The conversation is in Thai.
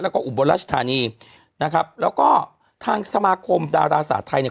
แล้วก็อุบลราชธานีนะครับแล้วก็ทางสมาคมดาราศาสตร์ไทยเนี่ย